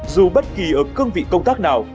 dù bất kỳ ở cương vị công tác nào